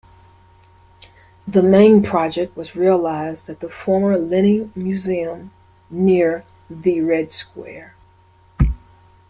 The main project was realised at the former Lenin Museum, near the Red Square.